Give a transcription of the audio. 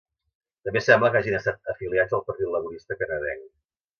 També sembla que hagin estat afiliats al partit laborista canadenc.